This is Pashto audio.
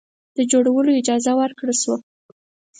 د جوړولو اجازه ورکړه شوه.